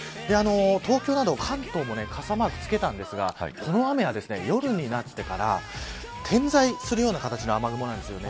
東京など関東も傘マーク、つけたんですがこの雨は、夜になってから点在するような形の雨雲なんですよね。